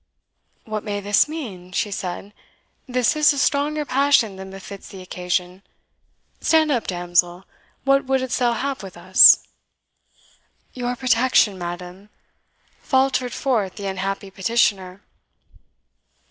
"What may this mean?" she said; "this is a stronger passion than befits the occasion. Stand up, damsel what wouldst thou have with us?" "Your protection, madam," faltered forth the unhappy petitioner.